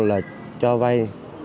là cho vay